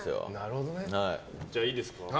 じゃあ、いいですか。